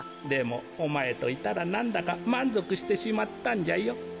でもおまえといたらなんだかまんぞくしてしまったんじゃよ。